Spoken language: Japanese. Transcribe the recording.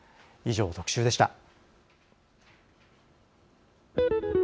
以上、特集でした。